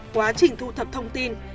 quá trình thu thập thông tin